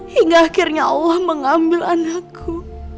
hingga akhirnya allah mengambil anakku